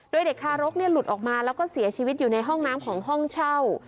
โดยเด็กทารกหลุดออกมาแล้วก็เสียชีวิตอยู่ในห้องน้ำของห้องเช่า